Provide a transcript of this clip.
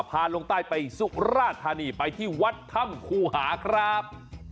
พาลงใต้ไปสุฬาธารณีไปที่วัดทำครูหาครับ